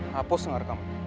hapus ngar kamu